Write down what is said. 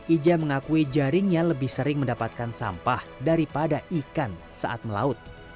ija mengakui jaringnya lebih sering mendapatkan sampah daripada ikan saat melaut